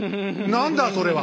何だそれは。